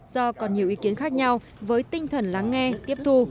do còn nhiều ý kiến khác nhau với tinh thần lắng nghe tiếp thu